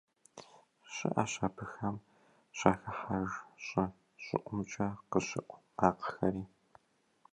Щыӏэщ абыхэм щахыхьэж щӏы щӏыӏумкӏэ къыщыӏу макъхэри.